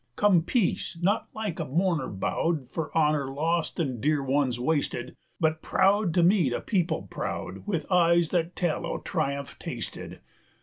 Come, Peace! not like a mourner bowed For honor lost an' dear ones wasted, But proud, to meet a people proud, 155 With eyes thet tell o' triumph tasted!